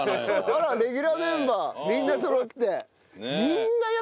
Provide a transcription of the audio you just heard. あらレギュラーメンバーみんなそろって。